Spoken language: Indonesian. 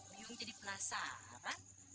bium jadi penasaran